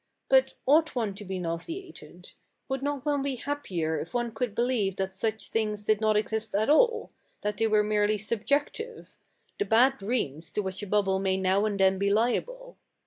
But ought one to be nauseated? Would not one be happier if one could believe that such things did not exist at all, that they were merely subjective the bad dreams to which a bubble may now and then be liable?